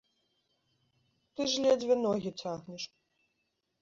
Ты ж ледзьве ногі цягнеш.